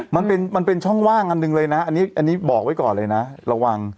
มันเป็นช่องว่างอันหนึ่งเลยนะอันนี้บอกไว้ก่อนเลยนะระวัง